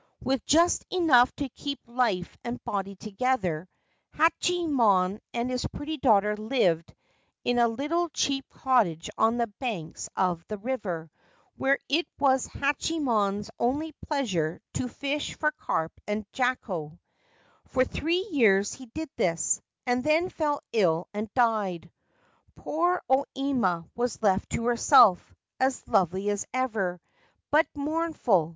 With just enough to keep life and body together, Hachiyemon and his pretty daughter lived in a little 249 32 Ancient Tales and Folklore of Japan cheap cottage on the banks of the river, where it was Hachiyemon's only pleasure to fish for carp and jakko. For three years he did this, and then fell ill and died. Poor O Ima was left to herself, as lovely as ever, but mournful.